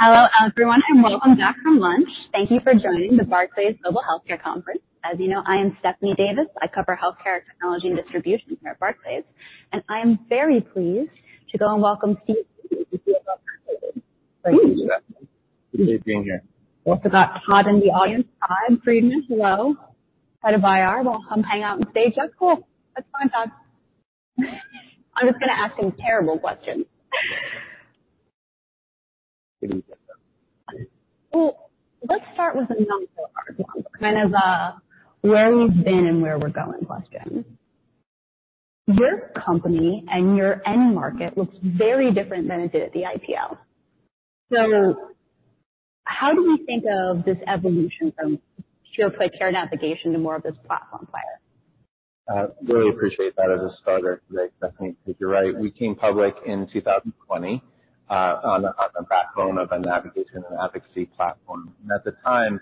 Hello, everyone, and welcome back from lunch. Thank you for joining the Barclays Global Healthcare Conference. As you know, I am Stephanie Davis. I cover Healthcare Technology and Distribution here at Barclays, and I am very pleased to go and welcome Steve... Thank you for that. Pleasure being here. Also got Todd in the audience. Todd Friedman, hello. Head of IR. We'll come hang out on stage. That's cool. That's fine, Todd. I'm just gonna ask him terrible questions. You can get them. Well, let's start with the not so hard one. Kind of, where we've been and where we're going question. Your company and your end market looks very different than it did at the IPO. So how do we think of this evolution from pure play care navigation to more of this platform player? I really appreciate that as a starter today, Stephanie, because you're right. We came public in 2020 on the backbone of a navigation and advocacy platform. At the time,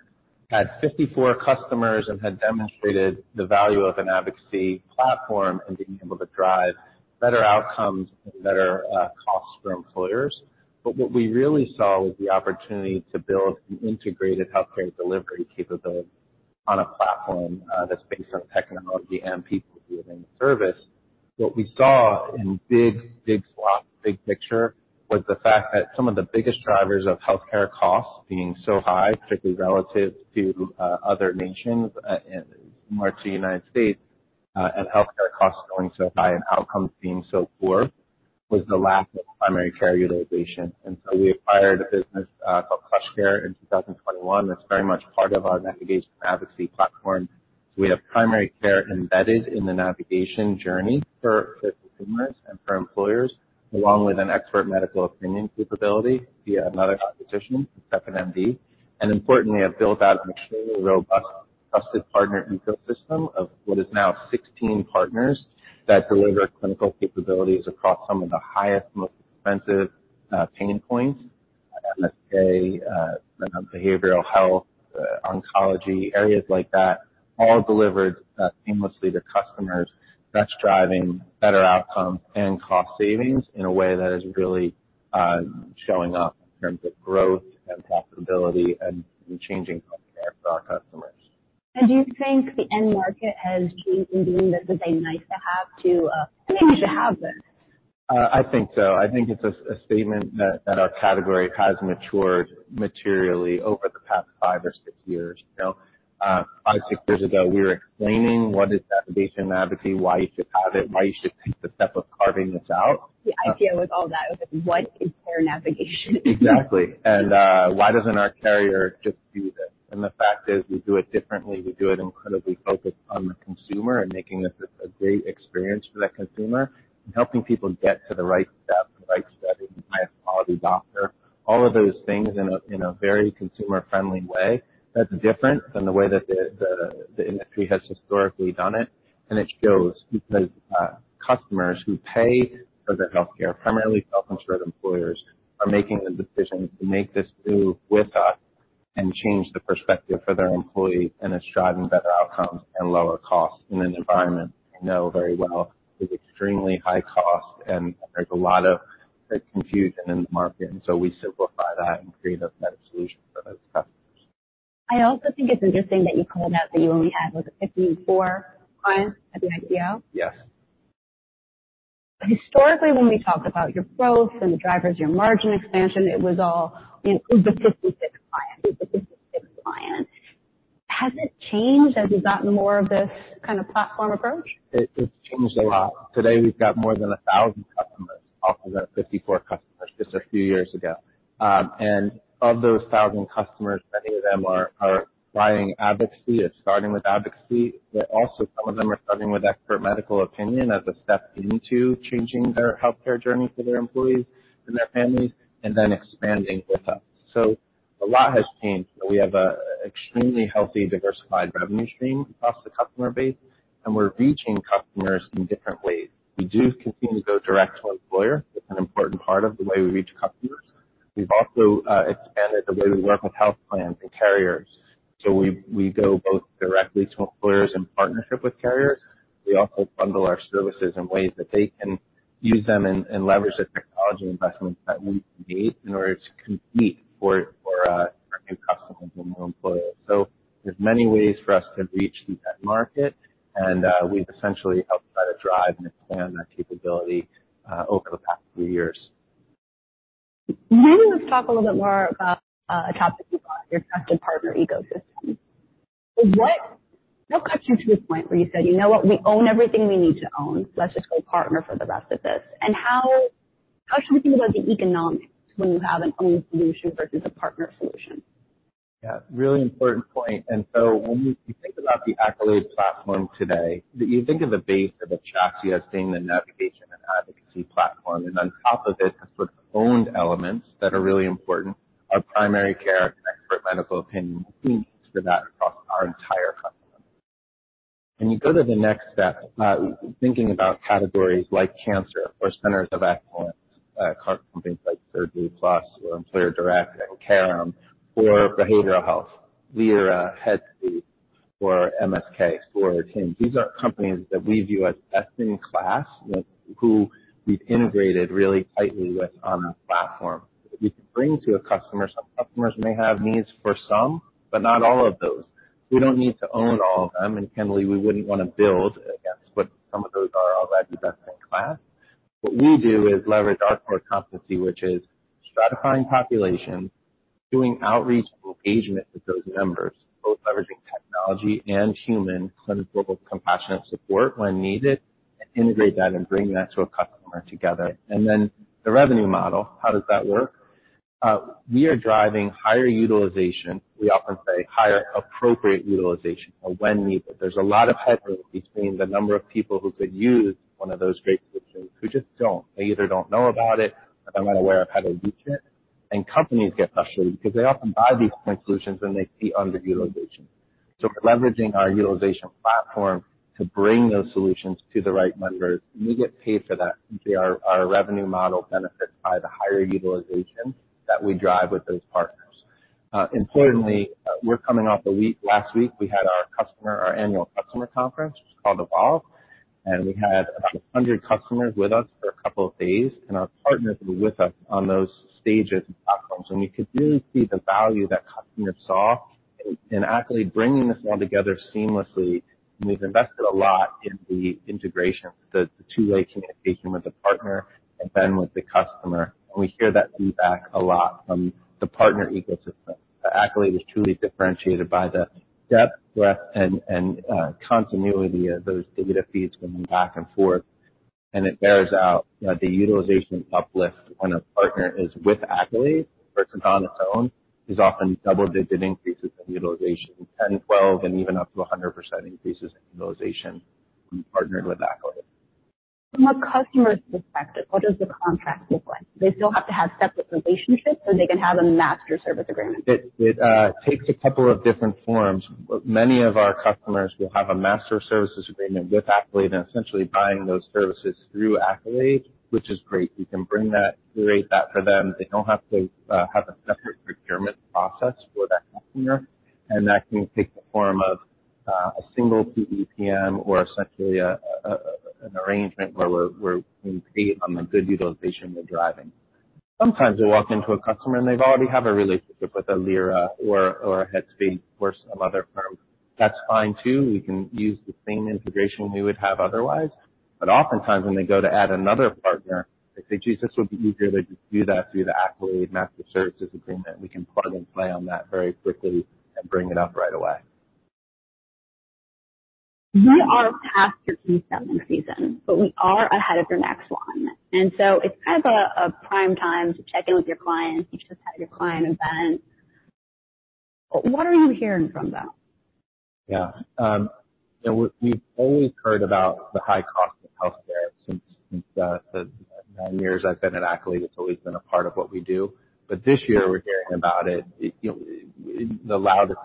had 54 customers and had demonstrated the value of an advocacy platform in being able to drive better outcomes and better costs for employers. But what we really saw was the opportunity to build an integrated healthcare delivery capability on a platform that's based on technology and people delivering the service. What we saw in big swath, big picture, was the fact that some of the biggest drivers of healthcare costs being so high, particularly relative to other nations, and more to the United States, and healthcare costs going so high and outcomes being so poor, was the lack of primary care utilization. We acquired a business called PlushCare in 2021. That's very much part of our navigation advocacy platform. We have primary care embedded in the navigation journey for consumers and for employers, along with an expert medical opinion capability via another acquisition, 2nd.MD, and importantly, have built out an extremely robust trusted partner ecosystem of what is now 16 partners that deliver clinical capabilities across some of the highest, most expensive pain points, let's say, behavioral health, oncology, areas like that, all delivered seamlessly to customers. That's driving better outcomes and cost savings in a way that is really showing up in terms of growth and profitability and changing healthcare for our customers. Do you think the end market has changed from being this is a nice to have, to, you should have this? I think so. I think it's a statement that our category has matured materially over the past five or six years. You know, five, six years ago, we were explaining what is navigation advocacy, why you should have it, why you should take the step of carving this out. The idea with all that was, what is care navigation? Exactly. And why doesn't our carrier just do this? And the fact is, we do it differently. We do it incredibly focused on the consumer and making this a great experience for that consumer, and helping people get to the right step, the right study, the highest quality doctor, all of those things in a very consumer friendly way. That's different than the way that the industry has historically done it. And it shows because customers who pay for their healthcare, primarily self-insured employers, are making the decision to make this move with us and change the perspective for their employees. And it's driving better outcomes and lower costs in an environment we know very well is extremely high cost, and there's a lot of confusion in the market. And so we simplify that and create a better solution for those customers. I also think it's interesting that you called out that you only had, like, 54 clients at the IPO. Yes. Historically, when we talked about your growth and the drivers of your margin expansion, it was all in the 56 clients. The 56 clients. Has it changed as you've gotten more of this kind of platform approach? It's changed a lot. Today, we've got more than 1,000 customers, off of that 54 customers just a few years ago. And of those 1,000 customers, many of them are buying advocacy and starting with advocacy. But also some of them are starting with expert medical opinion as a step into changing their healthcare journey for their employees and their families, and then expanding with us. So a lot has changed. We have an extremely healthy, diversified revenue stream across the customer base, and we're reaching customers in different ways. We do continue to go direct to employer. It's an important part of the way we reach customers. We've also expanded the way we work with health plans and carriers. So we go both directly to employers in partnership with carriers. We also bundle our services in ways that they can use them and leverage the technology investments that we've made in order to compete for new customers and more employers. So there's many ways for us to reach the end market, and we've essentially helped try to drive and expand that capability over the past few years. Maybe let's talk a little bit more about a topic you brought, your trusted partner ecosystem. What got you to the point where you said: You know what? We own everything we need to own. Let's just go partner for the rest of this. And how should we think about the economics when you have an owned solution versus a partner solution? Yeah, really important point. And so when you think about the Accolade platform today, you think of the base of the chassis as being the navigation and advocacy platform, and on top of it, the sort of owned elements that are really important, our primary care and expert medical opinion for that across our entire customer. When you go to the next step, thinking about categories like cancer or centers of excellence, companies like SurgeryPlus or Employer Direct and Carrum or behavioral health via Headspace... or MSK or Hinge Health. These are companies that we view as best in class, with who we've integrated really tightly with on our platform. We can bring to a customer, some customers may have needs for some, but not all of those. We don't need to own all of them, and generally, we wouldn't want to build against what some of those are already best in class. What we do is leverage our core competency, which is stratifying population, doing outreach and engagement with those members, both leveraging technology and human clinical, compassionate support when needed, and integrate that and bring that to a customer together. And then the revenue model, how does that work? We are driving higher utilization. We often say higher appropriate utilization or when needed. There's a lot of headroom between the number of people who could use one of those great solutions, who just don't. They either don't know about it or they're not aware of how to reach it. And companies get frustrated because they often buy these solutions, and they see underutilization. So we're leveraging our utilization platform to bring those solutions to the right members, and we get paid for that. Our, our revenue model benefits by the higher utilization that we drive with those partners. Importantly, we're coming off a week... Last week, we had our customer, our annual customer conference, which is called Evolve, and we had about 100 customers with us for a couple of days, and our partners were with us on those stages and platforms, and you could really see the value that customers saw in, in Accolade bringing this all together seamlessly. And we've invested a lot in the integration, the, the two-way communication with the partner and then with the customer. And we hear that feedback a lot from the partner ecosystem. But Accolade is truly differentiated by the depth, breadth, and continuity of those data feeds going back and forth, and it bears out that the utilization uplift when a partner is with Accolade versus on its own is often double-digit increases in utilization, 10, 12, and even up to a 100% increases in utilization when you partnered with Accolade. From a customer's perspective, what does the contract look like? They still have to have separate relationships, or they can have a master service agreement? Takes a couple of different forms. Many of our customers will have a master services agreement with Accolade, and essentially buying those services through Accolade, which is great. We can bring that, curate that for them. They don't have to have a separate procurement process for that partner, and that can take the form of a single PEPM or essentially an arrangement where we're, where we create on the good utilization we're driving. Sometimes we walk into a customer, and they've already have a relationship with Lyra or Headspace or some other firm. That's fine, too. We can use the same integration we would have otherwise, but oftentimes when they go to add another partner, they say, "Geez, this would be easier to just do that through the Accolade Master Services Agreement." We can plug and play on that very quickly and bring it up right away. We are past your open enrollment season, but we are ahead of your next one, and so it's kind of a prime time to check in with your clients. You just had your client event. What are you hearing from them? Yeah. You know, we've always heard about the high cost of healthcare since the nine years I've been at Accolade. It's always been a part of what we do. But this year we're hearing about it, you know, the loudest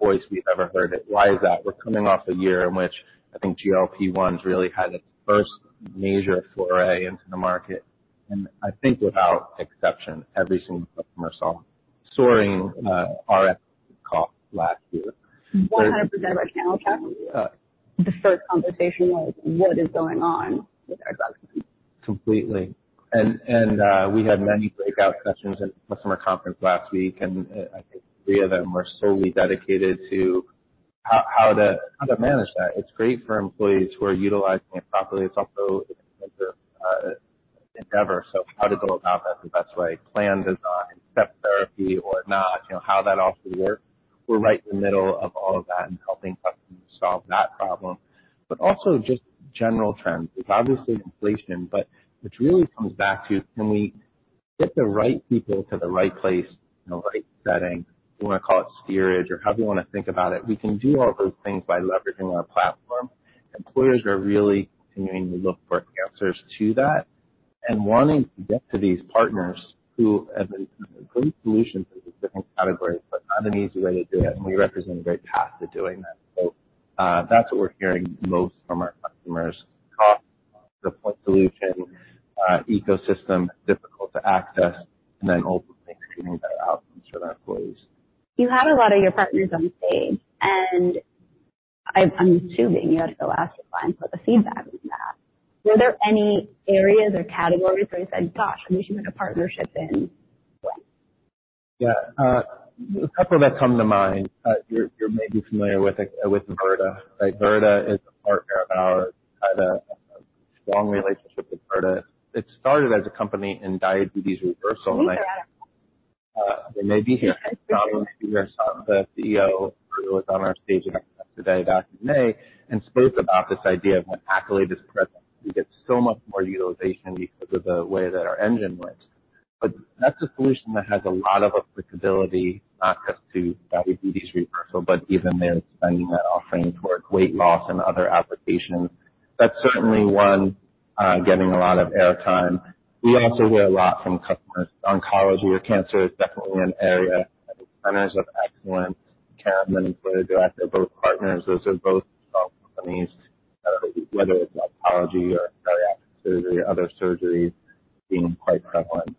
voice we've ever heard it. Why is that? We're coming off a year in which I think GLP-1s really had its first major foray into the market, and I think without exception, every single customer saw soaring Rx costs last year. 100% of our panel chat, the first conversation was, "What is going on with our drugs? Completely. And we had many breakout sessions at customer conference last week, and I think three of them were solely dedicated to how to manage that. It's great for employees who are utilizing it properly. It's also expensive. So how to go about that the best way, plan, design, step therapy or not, you know, how that all should work. We're right in the middle of all of that and helping customers solve that problem, but also just general trends. It's obviously inflation, but which really comes back to when we get the right people to the right place in the right setting, we want to call it steerage or however you want to think about it. We can do all those things by leveraging our platform. Employers are really continuing to look for answers to that and wanting to get to these partners who have a great solution for these different categories, but not an easy way to do it, and we represent a great path to doing that. So, that's what we're hearing most from our customers. Cost, the point solution, ecosystem, difficult to access, and then ultimately creating better outcomes for their employees. You had a lot of your partners on stage, and I, I'm assuming you had to ask the clients what the feedback was on that. Were there any areas or categories where you said, "Gosh, we should make a partnership in? Yeah. A couple that come to mind, you're maybe familiar with Virta. Virta is a partner of ours, had a strong relationship with Virta. It started as a company in diabetes reversal. Yeah. They may be here. The CEO was on our stage yesterday, back in May, and spoke about this idea of when Accolade is present, we get so much more utilization because of the way that our engine works. But that's a solution that has a lot of applicability, not just to diabetes reversal, but even they're expanding that offering toward weight loss and other applications. That's certainly one getting a lot of airtime. We also hear a lot from customers. Oncology or cancer is definitely an area of excellence. They're both partners. Those are both companies whether it's oncology or bariatric surgery, other surgeries being quite prevalent,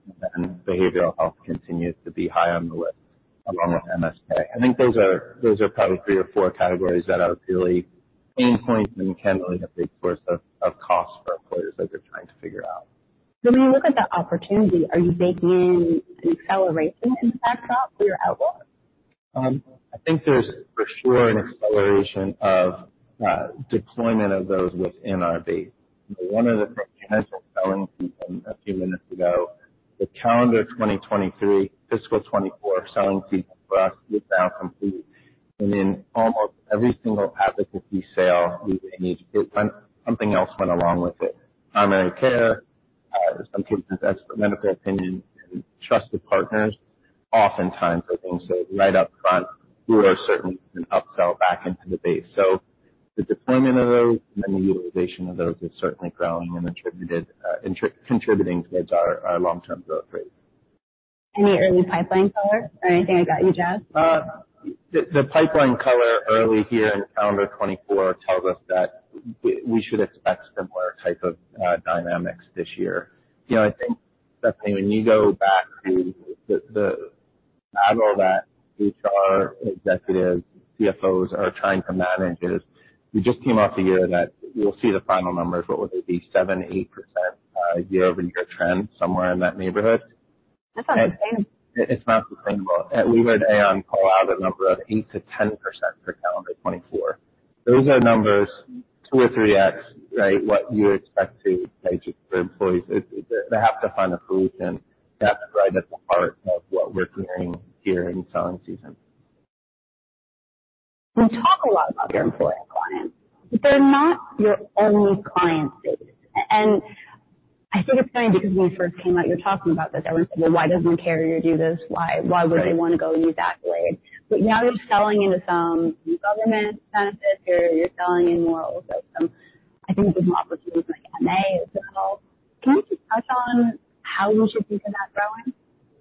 and behavioral health continues to be high on the list along with MSK. I think those are probably three or four categories that are really pain points and can be a big source of cost for employers that they're trying to figure out. When you look at the opportunity, are you making an acceleration in that drop or you're at loss? I think there's for sure an acceleration of deployment of those within our base. One of the things I was telling people a few minutes ago, the calendar 2023, fiscal 2024 selling season for us, 8,000 feet, and in almost every single advocacy sale we made, something else went along with it. Primary care, some cases, expert medical opinion, and trusted partners oftentimes are being sold right up front. We are certainly an upsell back into the base. So the deployment of those and the utilization of those is certainly growing and contributing towards our long-term growth rate. Any early pipeline color or anything you've got, Steph? The pipeline color early here in calendar 2024 tells us that we should expect similar type of dynamics this year. You know, I think, Stephanie, when you go back to the model that HR executives, CFOs are trying to manage is, we just came off a year that you'll see the final numbers, what would they be? 7%-8% year-over-year trend, somewhere in that neighborhood. That's unsustainable. It's not sustainable. We heard Aon call out a number of 8%-10% for calendar 2024. Those are numbers 2x or 3x, right, what you expect to pay for employees. They have to find a solution. That's right at the heart of what we're hearing here in selling season. We talk a lot about your employer clients, but they're not your only client base. And I think it's funny because when we first came out, you were talking about this, everyone said: "Well, why doesn't carrier do this? Why, why would they want to go that way?" But now you're selling into some government benefits, or you're selling in more of some... I think there's more opportunities like MA as well. Can you just touch on how you should keep that growing?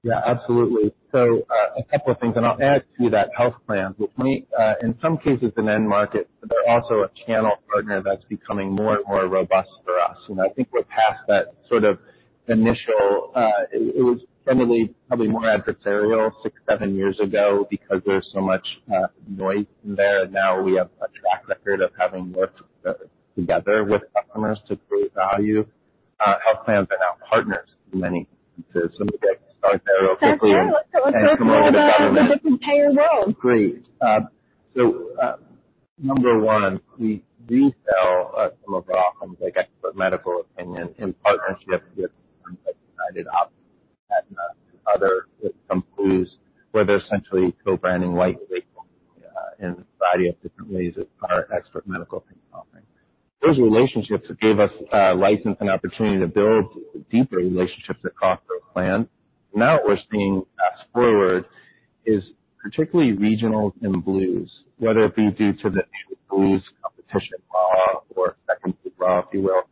Yeah, absolutely. So, a couple of things, and I'll add to that health plan. But we, in some cases, an end market, they're also a channel partner that's becoming more and more robust for us. And I think we're past that sort of initial, it was probably more adversarial six, seven years ago because there was so much noise in there. And now we have a track record of having worked together with customers to create value. Health plans are now partners to many. So start there real quickly. different payer role. Great. So, number one, we do sell some of our offerings, like expert medical opinion in partnership with UnitedHealth, Aetna, and other companies, where they're essentially co-branding white label in a variety of different ways with our expert medical opinion offering. Those relationships gave us license and opportunity to build deeper relationships with Cross Plans. Now, what we're seeing fast forward is particularly regional and Blues, whether it be due to the Blues competition law or secondary law, if you will,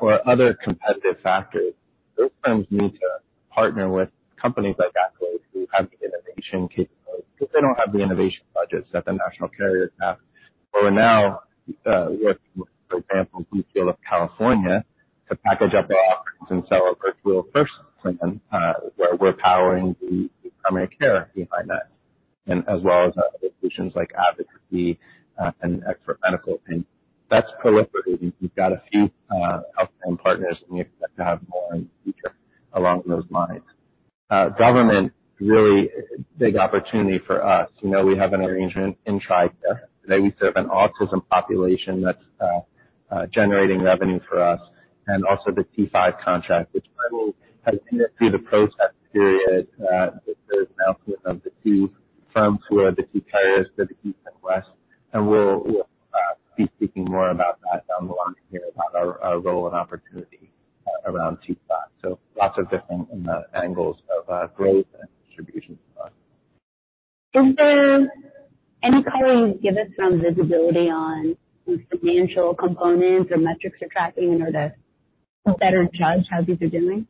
or other competitive factors. Those firms need to partner with companies like Accolade, who have the innovation capabilities, because they don't have the innovation budgets that the national carriers have. But we're now with, for example, Blue Shield of California, to package up their offerings and sell a virtual first plan, where we're powering the primary care behind that, and as well as other solutions like advocacy and expert medical opinion. That's proliferating. We've got a few health plan partners, and we expect to have more in the future along those lines. Government, really big opportunity for us. You know, we have an arrangement in TRICARE. Today, we serve an autism population that's generating revenue for us, and also the T-5 contract, which finally has been through the process period with the announcement of the two firms who are the key carriers for the East and West. And we'll be speaking more about that down the line here, about our role and opportunity around T-5. Lots of different angles of growth and distribution. Is there any color you can give us some visibility on the financial components or metrics you're tracking in order to better judge how these are doing?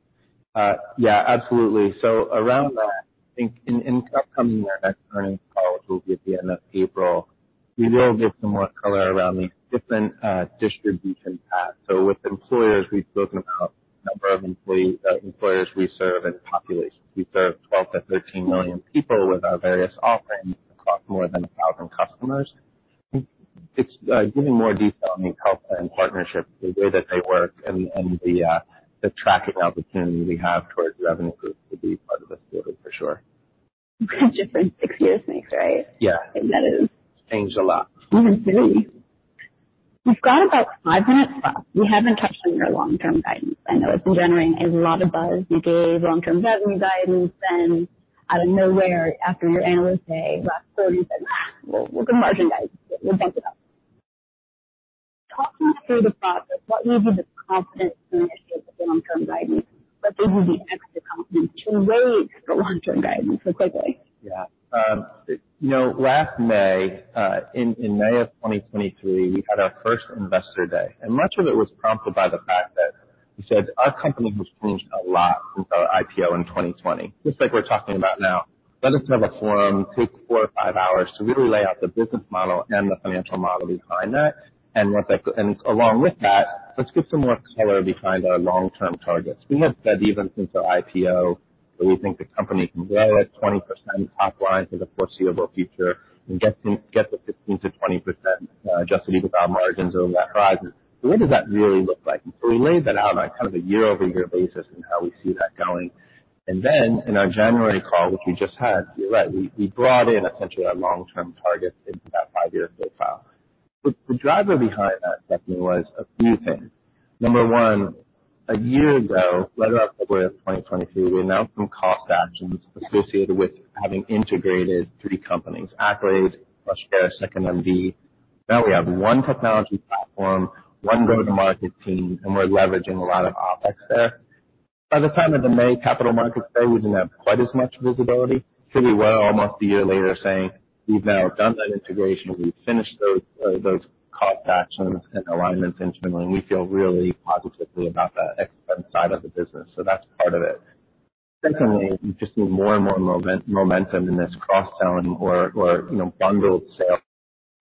Yeah, absolutely. So around that, I think in the upcoming year, next earnings call, which will be at the end of April, we will give some more color around the different distribution paths. So with employers, we've spoken about number of employees, employers we serve and population. We serve 12-13 million people with our various offerings across more than 1,000 customers. It's giving more detail on these health plan partnerships, the way that they work and the tracking opportunity we have towards revenue growth to be part of this building for sure. different payer mix, right? Yeah. That is- Changes a lot. Mm-hmm. We've got about 5 minutes left. We haven't touched on your long-term guidance. I know it's been generating a lot of buzz. You gave long-term revenue guidance, then out of nowhere, after your Analyst Day, last May, said, "Ah, well, we're gonna margin guide. We'll talk it out." Talk me through the process. What gives you the confidence to initiate the long-term guidance, but then gives you the extra confidence to raise the long-term guidance so quickly? Yeah. You know, last May, in May of 2023, we had our first Investor Day, and much of it was prompted by the fact that He said, "Our company has changed a lot since our IPO in 2020." Just like we're talking about now, let us have a forum, take four or five hours to really lay out the business model and the financial model behind that. And once that and along with that, let's give some more color behind our long-term targets. We have said even since our IPO that we think the company can grow at 20% top line for the foreseeable future and get to, get to 15%-20%, adjusted EBITDA margins over that horizon. So what does that really look like? So we laid that out on a kind of a year-over-year basis and how we see that going. And then in our January call, which we just had, you're right, we brought in essentially our long-term target into that five-year profile. The driver behind that, Stephanie, was a few things. Number one, a year ago, later, October of 2023, we announced some cost actions associated with having integrated three companies, Accolade, PlushCare, 2nd.MD. Now we have one technology platform, one go-to-market team, and we're leveraging a lot of OpEx there. By the time of the May Capital Markets Day, we didn't have quite as much visibility. Here we were, almost a year later, saying, "We've now done that integration, we've finished those cost actions and alignments internally, and we feel really positively about the expense side of the business." So that's part of it. Secondly, we've just seen more and more momentum in this cross-selling or, you know, bundled sale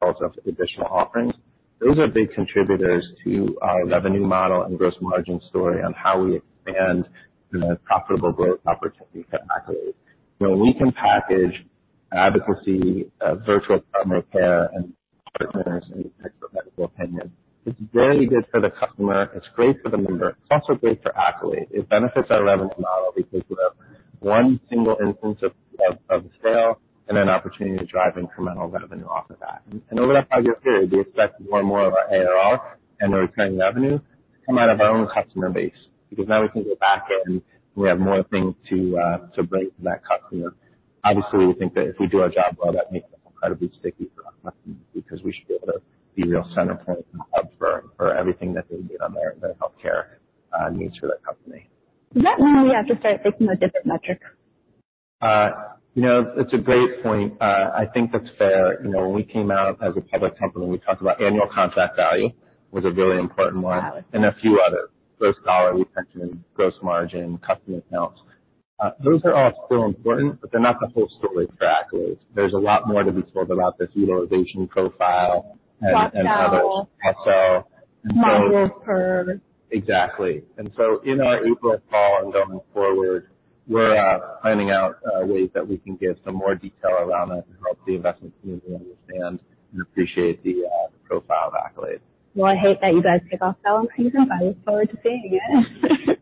of additional offerings. Those are big contributors to our revenue model and gross margin story on how we expand, you know, profitable growth opportunities at Accolade. When we can package advocacy, virtual primary care and partners and expert medical opinion, it's very good for the customer, it's great for the member, it's also great for Accolade. It benefits our revenue model because we have one single instance of sale and an opportunity to drive incremental revenue off of that. And over that five-year period, we expect more and more of our ARR and the recurring revenue to come out of our own customer base. Because now we can go back in, and we have more things to bring to that customer. Obviously, we think that if we do our job well, that makes us incredibly sticky for our customers, because we should be able to be a real center point and hub for everything that they need on their healthcare needs for their company. Is that when we have to start thinking about a different metric? You know, it's a great point. I think that's fair. You know, when we came out as a public company, we talked about annual contract value, was a really important one- Got it. and a few others. Gross dollar retention, gross margin, customer counts. Those are all still important, but they're not the full story for Accolade. There's a lot more to be told about this utilization profile and others. Cross-sell. Cross-sell. Modules per... Exactly. And so in our April call and going forward, we're planning out ways that we can give some more detail around that to help the investment community understand and appreciate the profile of Accolade. Well, I hate that you guys kick off the season, but I look forward to seeing it.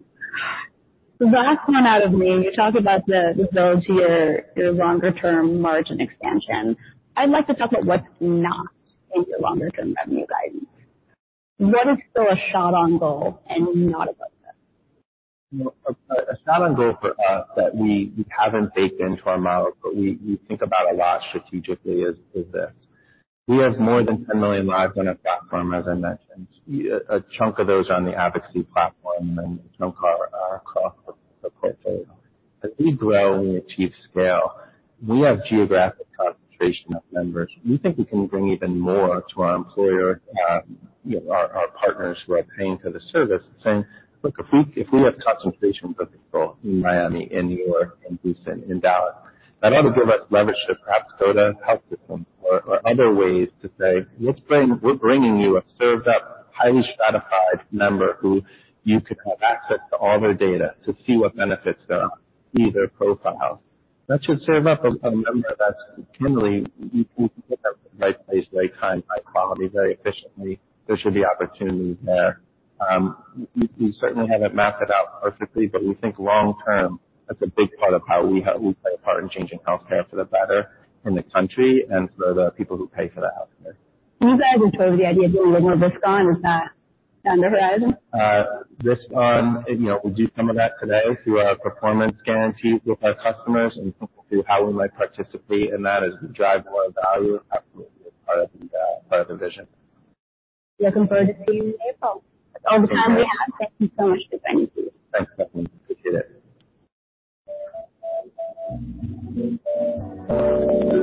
The last time we spoke, you talked about the ability to longer-term margin expansion. I'd like to talk about what's not in your longer-term revenue guidance. What is still a shot on goal and not about that? You know, a shot on goal for us that we haven't baked into our model, but we think about a lot strategically is this: We have more than 10 million lives on our platform, as I mentioned. A chunk of those are on the advocacy platform and across our portfolio. As we grow and we achieve scale, we have geographic concentration of members. We think we can bring even more to our employer, you know, our partners who are paying for the service, saying: Look, if we have concentrations of people in Miami, in New York, in Houston, in Dallas, that ought to give us leverage to perhaps go to health systems or other ways to say, "Let's bring... We're bringing you a served-up, highly stratified member who you could have access to all their data to see what benefits are, see their profile." That should serve up a member that's generally, you can get the right place, right time, high quality, very efficiently. There should be opportunities there. We certainly haven't mapped it out perfectly, but we think long term, that's a big part of how we have—we play a part in changing healthcare for the better in the country and for the people who pay for that healthcare. You guys have chosen the idea of doing a little more risk-on with that on the horizon? Risk on, you know, we do some of that today through our performance guarantees with our customers and through how we might participate in that as we drive more value. Absolutely, part of the vision. Looking forward to seeing you in April. That's all the time we have. Thank you so much, Stephen. Thank you. Thanks, Stephanie. Appreciate it.